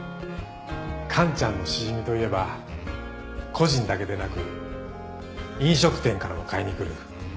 カンちゃんのシジミといえば個人だけでなく飲食店からも買いに来る地元の人気商品です。